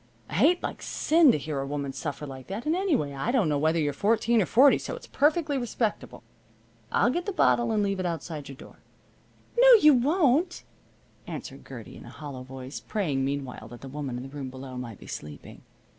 I hate like sin to hear a woman suffer like that, and, anyway, I don't know whether you're fourteen or forty, so it's perfectly respectable. I'll get the bottle and leave it outside your door." "No you don't!" answered Gertie in a hollow voice, praying meanwhile that the woman in the room below might be sleeping.